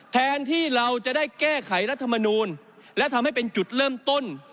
แทนที่เราจะได้แก้ไขรัฐมนูลและทำให้เป็นจุดเริ่มต้น